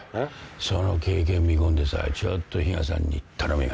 その経験見込んでさちょっとヒガさんに頼みがあんだよ。